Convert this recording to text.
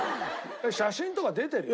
写真とか出てるよ。